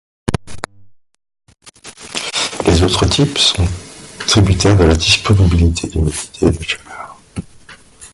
Les autres types sont tributaires de la disponibilité d'humidité et de chaleur.